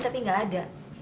tapi gak ada